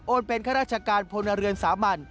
เป็นข้าราชการพลเรือนสามัญ